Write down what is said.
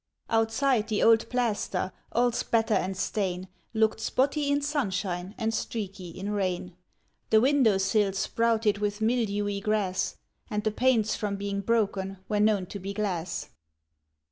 Outside, the old plaster, all spatter and stain, Looked spotty in sunshine and streaky in rain; The window sills sprouted with mildewy grass, And the panes from being broken were known to be glass.